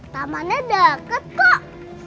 tamannya deket kok